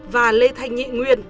và lê thanh nhị nguyên